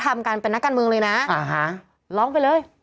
พี่ขับรถไปเจอแบบ